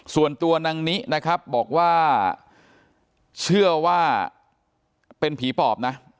ส่วนตัวนางนินะครับบอกว่าเชื่อว่าเป็นผีปอบนะ